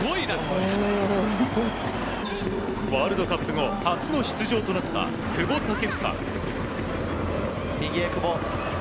ワールドカップ後初の出場となった久保建英。